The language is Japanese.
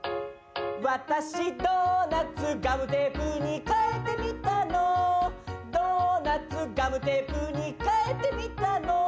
「私ドーナツガムテープに替えてみたの」「ドーナツガムテープに替えてみたの」